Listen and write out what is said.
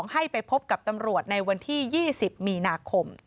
ให้ไปพบกับตำรวจในวันที่๒๐มีนาคม